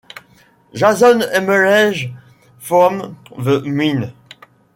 Jason emerged from the mine.